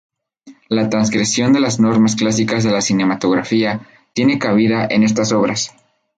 La transgresión de las normas clásicas de la cinematografía tiene cabida en estas obras.